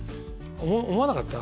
思わなかった？